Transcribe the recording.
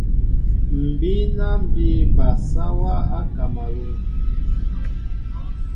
M̀ bíná mbí bal sáwā á Kámalûn.